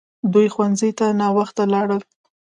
دوی ښوونځي ته ناوخته لاړل!